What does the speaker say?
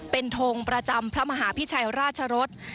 เป็นทงประจำพระมหาพิชัยราชรส